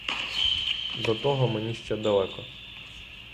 До того мені ще далеко.